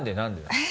えっ？